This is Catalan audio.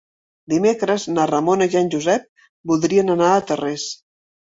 Dimecres na Ramona i en Josep voldrien anar a Tarrés.